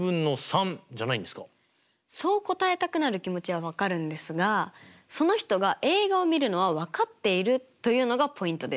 そう答えたくなる気持ちは分かるんですがその人が映画をみるのは分かっているというのがポイントです。